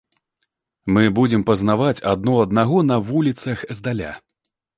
Мы будзем пазнаваць адно аднаго на вуліцах здаля.